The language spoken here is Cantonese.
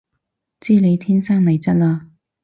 知你天生麗質嘞